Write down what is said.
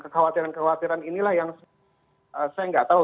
kekhawatiran kekhawatiran inilah yang saya nggak tahu